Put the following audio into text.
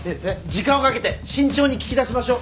時間をかけて慎重に聞き出しましょう。